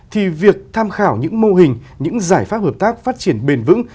thì việc tham khảo những mô hình những giải pháp hợp tác phát triển bền vững